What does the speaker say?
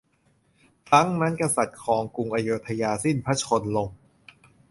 ครั้งนั้นกษัตริย์ครองกรุงอโยธยาสิ้นพระชนม์ลง